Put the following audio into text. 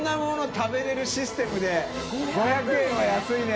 食べれるシステムで毅娃葦澆安いね。